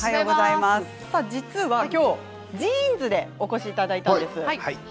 実は、きょうジーンズでお越しいただいたんですよね。